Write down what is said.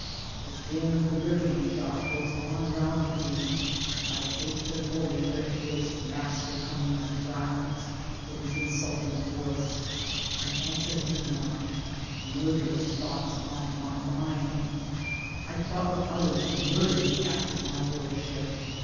The din of the riveting shop goes on round me; I hate the bully red faced master coming on his rounds — with his insulting voice — and answer him not : murderous thoughts haunt my mind. I plot with others to murder the captain on board ship.